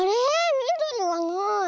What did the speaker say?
みどりがない。